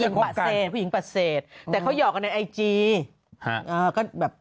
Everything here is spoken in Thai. หาคุณปุอร์จฉีดใส่วันพีชหน่อยติ๊